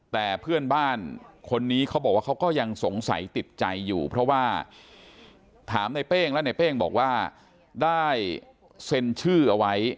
แต่เพื่อนบ้านคนนี้เขาบอกว่าเขาก็ยังสงสัยติดใจอยู่เพราะว่าถามในเป้งและในเป้งบอกว่าได้เซ็นชื่อเอาไว้